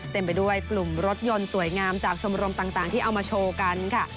ไปด้วยกลุ่มรถยนต์สวยงามจากชมรมต่างที่เอามาโชว์กันค่ะ